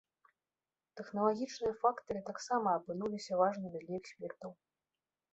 Тэхналагічныя фактары таксама апынуліся важнымі для экспертаў.